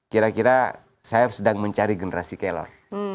kira kira saya sedang mencari generasi kelor